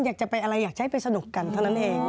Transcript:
อยากจะไปอะไรอยากจะให้ไปสนุกกันเท่านั้นเอง